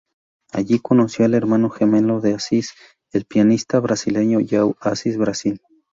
Allí conoció al hermano gemelo de Assis, el pianista brasileño Joao Assis Brasil.